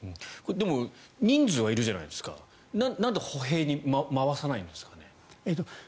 でも人数はいるじゃないですかなんで歩兵に回さないんですかね。